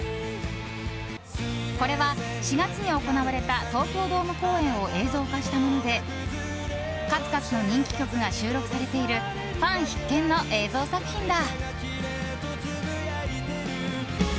これは４月に行われた東京ドーム公演を映像化したもので数々の人気曲が収録されているファン必見の映像作品だ。